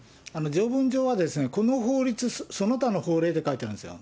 条文上はこの法律、その他の法令って書いてあるんですよ。